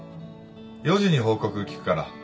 ４時に報告聞くから。